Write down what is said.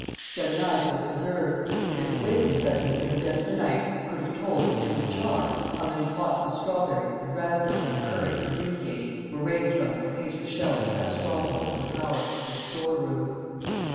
She had an eye to the preserves; and if awakened suddenly in the dead of the night could have told, to a jar, how many pots of strawberry, and raspberry, and currant, and greengage were ranged on the capacious shelves of that stronghold of her power, the store room.